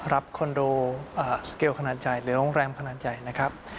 คอนโดสเกลขนาดใหญ่หรือโรงแรมขนาดใหญ่นะครับ